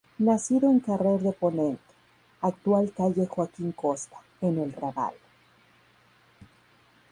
Nacido en Carrer de Ponent, actual calle Joaquín Costa, en el Raval.